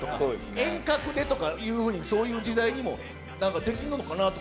遠隔でとかいうふうに、そういう時代にもできるのかなって。